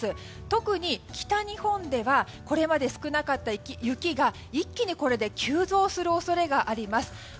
特に北日本ではこれまで少なかった雪が一気にこれで急増する恐れがあります。